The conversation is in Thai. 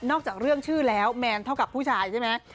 จากเรื่องชื่อแล้วแมนเท่ากับผู้ชายใช่ไหม